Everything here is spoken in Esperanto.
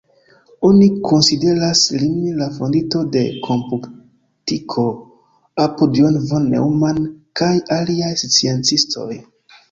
Oni konsideras lin la fondinto de komputiko apud John von Neumann kaj aliaj sciencistoj.